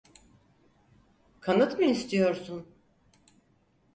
Kanıt mı istiyorsun?